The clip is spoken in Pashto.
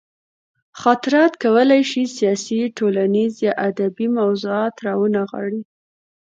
خاطرات کولی شي سیاسي، ټولنیز یا ادبي موضوعات راونغاړي.